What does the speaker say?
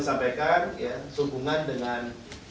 sampaikan ya hubungan dengan